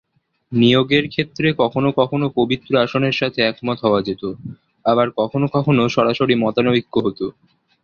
নিয়োগের ক্ষেত্রে কখনও কখনও পবিত্র আসনের সাথে একমত হওয়া যেত, আবার কখনও কখনও সরাসরি মতানৈক্য হত।